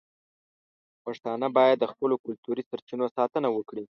پښتانه باید د خپلو کلتوري سرچینو ساتنه وکړي.